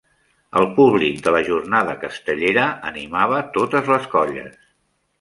El públic de la jornada castellera animava totes les colles.